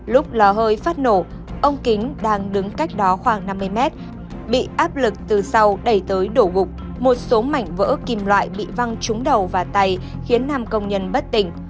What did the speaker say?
lúc lò hơi phát nổ ông kính đang đứng cách đó khoảng năm mươi mét bị áp lực từ sau đẩy tới đổ gục một số mảnh vỡ kim loại bị văng trúng đầu và tay khiến nam công nhân bất tỉnh